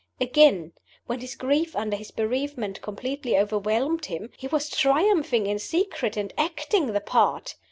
Again, when his grief under his bereavement completely overwhelmed him, he was triumphing in secret, and acting a part!